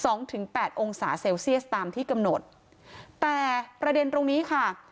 ถึงแปดองศาเซลเซียสตามที่กำหนดแต่ประเด็นตรงนี้ค่ะ